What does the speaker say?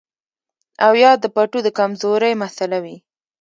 او يا د پټو د کمزورۍ مسئله وي